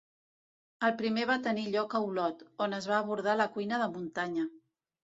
El primer va tenir lloc a Olot, on es va abordar la cuina de muntanya.